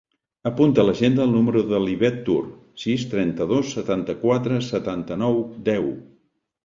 Apunta a l'agenda el número de l'Ivet Tur: sis, trenta-dos, setanta-quatre, setanta-nou, deu.